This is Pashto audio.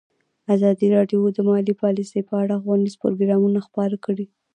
ازادي راډیو د مالي پالیسي په اړه ښوونیز پروګرامونه خپاره کړي.